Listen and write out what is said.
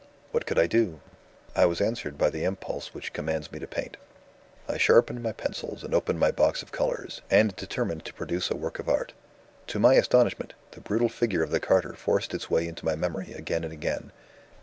What could I do? I was answered by the impulse which commands me to paint. "I sharpened my pencils, and opened my box of colors, and determined to produce a work of art. To my astonishment, the brutal figure of the carter forced its way into my memory again and again.